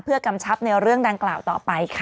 กำชับในเรื่องดังกล่าวต่อไปค่ะ